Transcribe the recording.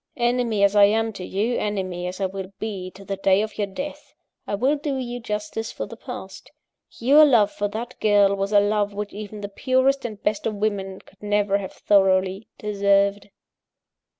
Enemy as I am to you, enemy as I will be to the day of your death, I will do you justice for the past: Your love for that girl was a love which even the purest and best of women could never have thoroughly deserved.